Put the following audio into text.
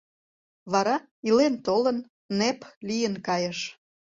Вара, илен-толын, нэп лийын кайыш.